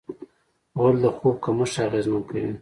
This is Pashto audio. غول د خوب کمښت اغېزمن کوي.